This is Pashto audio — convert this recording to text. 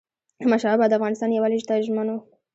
احمدشاه بابا د افغانستان یووالي ته ژمن و.